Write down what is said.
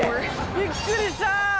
びっくりしたー。